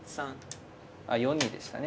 あっ４二でしたね。